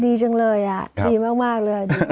ดีจังเลยอ่ะดีมากเลย